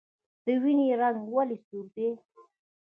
د وینې رنګ ولې سور دی